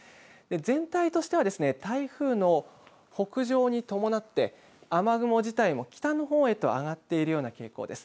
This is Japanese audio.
全体としては台風の北上に伴って、雨雲自体も北のほうへと上がっているような傾向です。